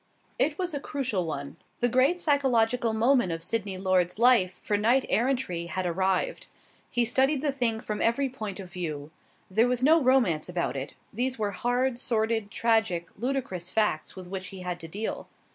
It was a crucial one. The great psychological moment of Sydney Lord's life for knight errantry had arrived. He studied the thing from every point of view. There was no romance about it. These were hard, sordid, tragic, ludicrous facts with which he had to deal.